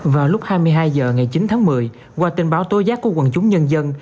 vào lúc hai mươi hai h ngày chín tháng một mươi qua tình báo tối giác của quần chúng nhân dân